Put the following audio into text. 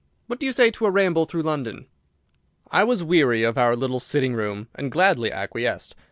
What do you say to a ramble through London?" I was weary of our little sitting room and gladly acquiesced.